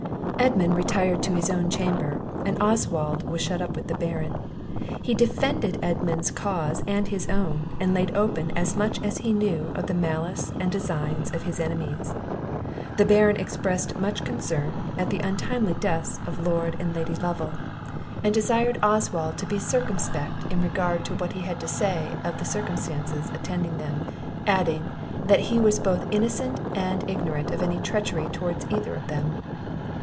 Edmund retired to his own chamber, and Oswald was shut up with the Baron; he defended Edmund's cause and his own, and laid open as much as he knew of the malice and designs of his enemies. The Baron expressed much concern at the untimely deaths of Lord and Lady Lovel, and desired Oswald to be circumspect in regard to what he had to say of the circumstances attending them; adding, that he was both innocent and ignorant of any treachery towards either of them.